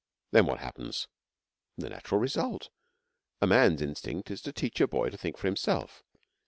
'Then what happens?' 'The natural result. A man's instinct is to teach a boy to think for himself.